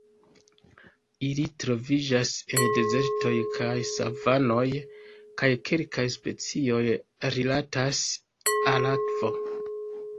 Ili troviĝas en dezertoj kaj savanoj kaj kelkaj specioj rilatas al akvo.